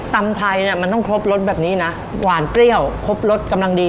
ตำไทยเนี่ยมันต้องครบรสแบบนี้นะหวานเปรี้ยวครบรสกำลังดี